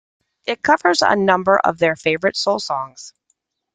It covers a number of their favorite soul songs.